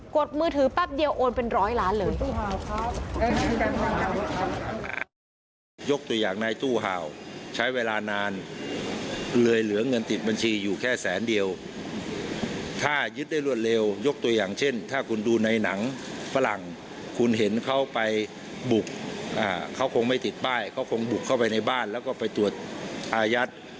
ดมือถือแป๊บเดียวโอนเป็นร้อยล้านเลย